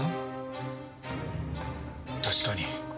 確かに。